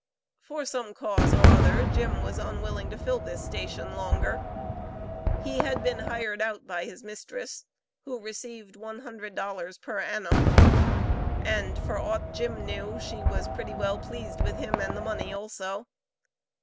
For some cause or other Jim was unwilling to fill this station longer. He had been hired out by his mistress, who received one hundred dollars per annum; and, for aught Jim knew, she was pretty well pleased with him and the money also.